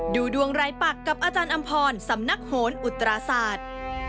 ดูดวงรายปักกับอาจารย์อำพรสำนักโหนอุตราศาสตร์